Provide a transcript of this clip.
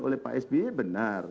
oleh pak sby benar